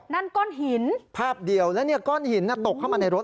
นั่นก้อนหินภาพเดียวแล้วเนี่ยก้อนหินตกเข้ามาในรถ